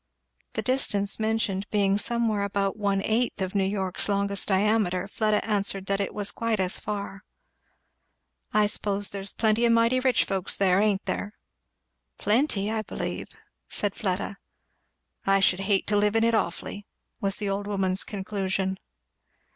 The distance mentioned being somewhere about one eighth of New York's longest diameter, Fleda answered that it was quite as far. "I s'pose there's plenty o' mighty rich folks there, ain't there?" "Plenty, I believe," said Fleda. "I should hate to live in it awfully!" was the old woman's conclusion.